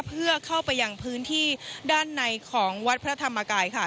เพื่อเข้าไปยังพื้นที่ด้านในของวัดพระธรรมกายค่ะ